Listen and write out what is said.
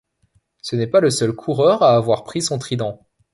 Ce n'est pas le seul coureur à avoir pris son trident.